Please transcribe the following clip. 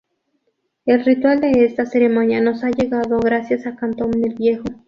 El ritual de esta ceremonia nos ha llegado gracias a Catón el Viejo.